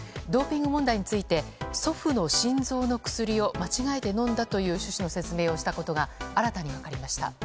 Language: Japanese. ドーピング問題について祖父の心臓の薬を間違えて飲んだという趣旨の説明をしたことが新たに分かりました。